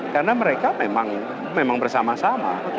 karena mereka memang bersama sama